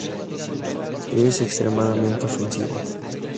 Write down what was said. Es extremadamente ofensivo.